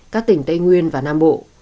các tỉnh tây nguyên và nam bộ